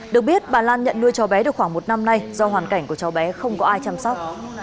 được biết bà lan nhận nuôi cho bé được khoảng một năm nay do hoàn cảnh của cháu bé không có ai chăm sóc